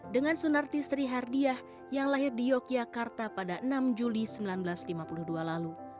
dengan sunarti sri hardiah yang lahir di yogyakarta pada enam juli seribu sembilan ratus lima puluh dua lalu